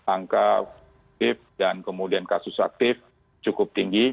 angka positif dan kemudian kasus aktif cukup tinggi